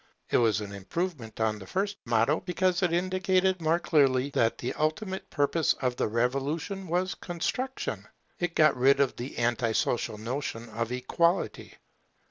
It was an improvement on the first motto, because it indicated more clearly that the ultimate purpose of the revolution was construction. It got rid of the anti social notion of Equality.